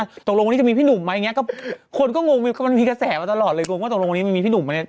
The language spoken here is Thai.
ตกลงวันนี้จะมีพี่หนุ่มไหมอย่างเงี้ก็คนก็งงมันมีกระแสมาตลอดเลยกลัวว่าตกลงวันนี้มันมีพี่หนุ่มไหมเนี่ย